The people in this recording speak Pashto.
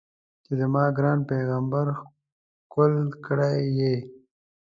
چې زما ګران پیغمبر ښکل کړی یې.